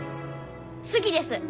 好きです。